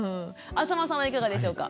淺間さんはいかがでしょうか？